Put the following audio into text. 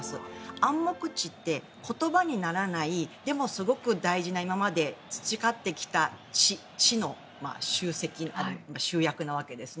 暗黙知って言葉にならないでもすごく大事な今まで培ってきた知の集積集約なわけですね。